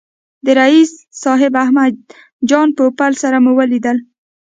د رییس صاحب احمد جان پوپل سره مو ولیدل.